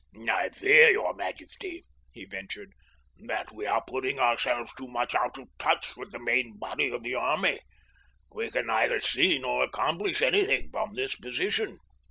"I fear, your majesty," he ventured, "that we are putting ourselves too much out of touch with the main body of the army. We can neither see nor accomplish anything from this position."